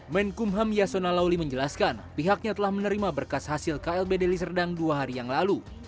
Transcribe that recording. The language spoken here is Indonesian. menkumham yasona lauli menjelaskan pihaknya telah menerima berkas hasil klb deli serdang dua hari yang lalu